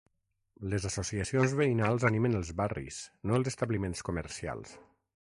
Les associacions veïnals animen els barris, no els establiments comercials.